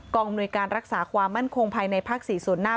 อำนวยการรักษาความมั่นคงภายในภาค๔ส่วนหน้า